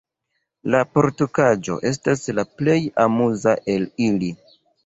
La porkaĵo estas la plej amuza el ili.